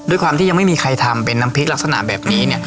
ด้วยความที่ยังไม่มีใครทำเป็นน้ำพริกลักษณะแบบนี้เนี่ย